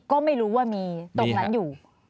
ก็ไม่รู้ว่ามีตรงนั้นอยู่